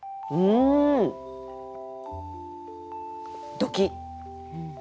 ドキッ。